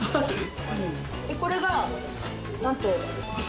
これがなんと。